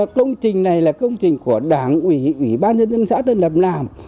nói thật là công trình này là công trình của đảng ủy ủy ban nhân dân xã thân lập làm